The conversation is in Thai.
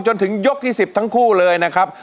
จนถึงยกที่๑๐ทั้งคู่เลยนะครับ